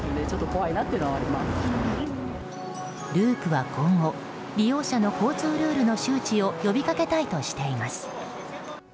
Ｌｕｕｐは今後利用者の交通ルールの周知を呼びかけたいとしています。